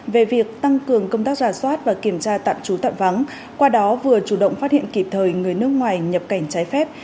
về việc tăng cường công tác giả soát và kiểm tra tạm trú tạm vắng qua đó vừa chủ động phát hiện kịp thời người nước ngoài nhập cảnh trái phép